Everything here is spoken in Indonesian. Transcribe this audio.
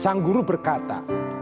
sang guru berkata